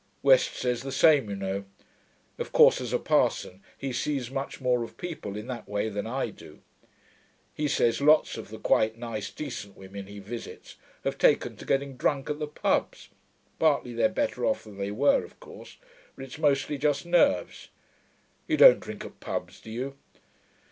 West says the same, you know. Of course, as a parson, he sees much more of people, in that way, than I do. He says lots of the quite nice, decent women he visits have taken to getting drunk at the pubs; partly they're better off than they were, of course, but it's mostly just nerves. You don't drink at pubs, do you?'